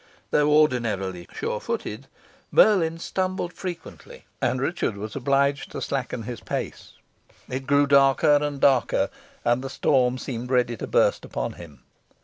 Though ordinarily surefooted, Merlin stumbled frequently, and Richard was obliged to slacken his pace. It grew darker and darker, and the storm seemed ready to burst upon him.